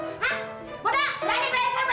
bodo berani bayar saya berapa